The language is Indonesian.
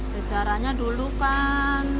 sejarahnya dulu kan